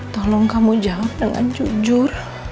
tolong kamu jawab dengan jujur